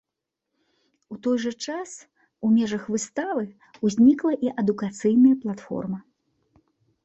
У той жа час у межах выставы ўзнікла і адукацыйная платформа.